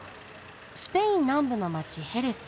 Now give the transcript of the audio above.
スペイン南部の街ヘレス。